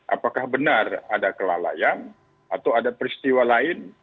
apakah benar ada kelalaian atau ada peristiwa lain